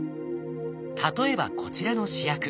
例えばこちらの試薬。